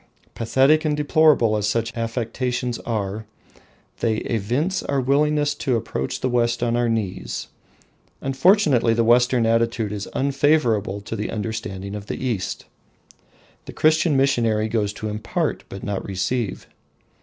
Pathetic and deplorable as such affectations are, they evince our willingness to approach the West on our knees. Unfortunately the Western attitude is unfavourable to the understanding of the East. The Christian missionary goes to impart, but not to receive.